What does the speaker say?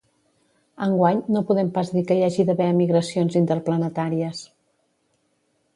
Enguany, no podem pas dir que hi hagi d’haver emigracions interplanetàries.